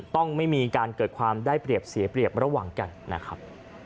ต้องไม่มีการเกิดความได้เปรียบเสียเปรียบระหว่างกันนะครับ